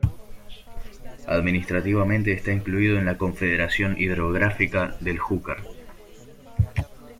Administrativamente está incluido en la Confederación Hidrográfica del Júcar.